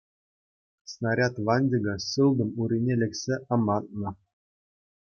Снаряд ванчӑкӗ сылтӑм урине лексе амантнӑ.